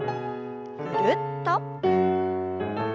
ぐるっと。